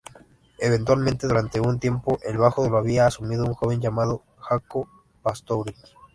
Eventualmente, durante un tiempo, el bajo lo había asumido un joven llamado Jaco Pastorius.